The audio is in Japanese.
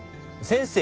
先生